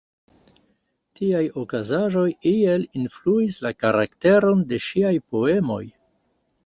Tiaj okazaĵoj iel influis la karakteron de ŝiaj poemoj.